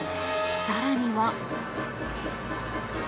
更には。